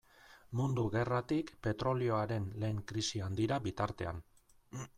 Mundu Gerratik petrolioaren lehen krisi handira bitartean.